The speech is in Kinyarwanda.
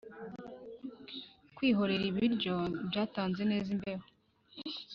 kwihorera nibiryo byatanzwe neza imbeho